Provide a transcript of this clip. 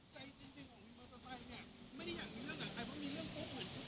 ใจจริงของวินโมไซด์เนี่ยไม่ได้อยากมีเรื่องกับใคร